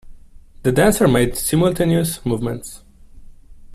The dancer made simultaneous movements.